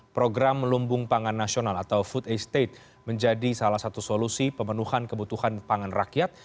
program melumbung pangan nasional atau food estate menjadi salah satu solusi pemenuhan kebutuhan pangan rakyat